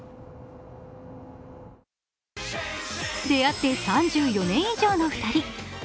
出会って３４年以上の２人。